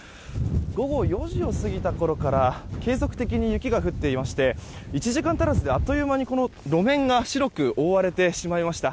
午後４時を過ぎたころから継続的に雪が降っていまして１時間足らずであっという間に路面が白く覆われてしまいました。